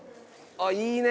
あっいいね！